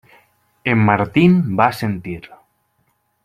En Martin va assentir.